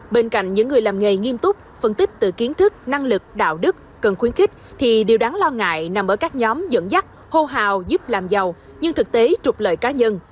bên cạnh những người làm nghề nghiêm túc phân tích từ kiến thức năng lực đạo đức cần khuyến khích thì điều đáng lo ngại nằm ở các nhóm dẫn dắt hô hào giúp làm giàu nhưng thực tế trục lợi cá nhân